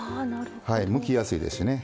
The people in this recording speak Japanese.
むきやすいですしね。